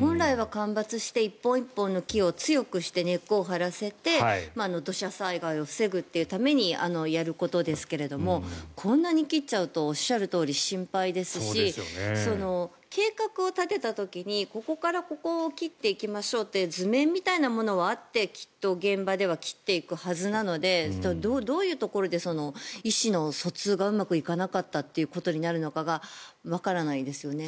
本来は間伐して１本１本の木を強くして根っこを張らせて土砂災害を防ぐためにやることですけれどもこんなに切っちゃうとおっしゃるとおり心配ですし計画を立てた時にここからここを切っていきましょうと図面みたいなものはあって現場ではきっと切っていくはずなのでどういうところで意思の疎通がうまくいかなかったということになるのかがわからないですよね。